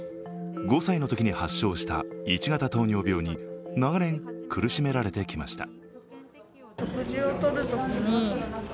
５歳のときに発症した１型糖尿病に長年、苦しめられてきました。